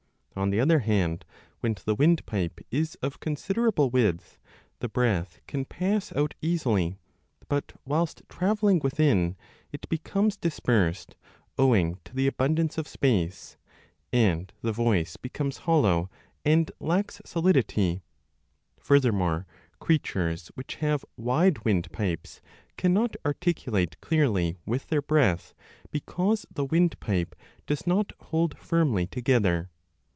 On the other hand, when the windpipe is of considerable width, the breath can pass out easily, but, whilst travelling within, it becomes dispersed owing to the abundance of space, and 35 the voice becomes hollow and lacks solidity ; furthermore, creatures which have wide windpipes cannot articulate l 8oi a clearly with their breath because the windpipe does not hold firmly together.